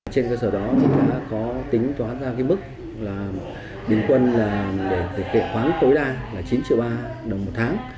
trên cơ sở đó chúng ta có tính toán ra mức biển quân để thực hiện khoán tối đa là chín triệu ba đồng một tháng